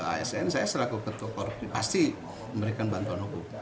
asn saya selaku ketua korp pasti memberikan bantuan hukum